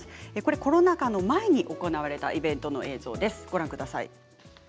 コロナ禍の前に行われたイベントの映像です。